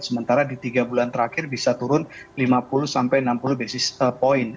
sementara di tiga bulan terakhir bisa turun lima puluh sampai enam puluh basis point